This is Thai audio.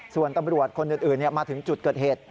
ส่วนตำรวจคนอื่นมาถึงจุดเกิดเหตุ